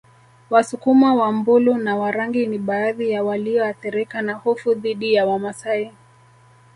Wasukuma Wambulu na Warangi ni baadhi ya walioathirika na hofu dhidi ya Wamasai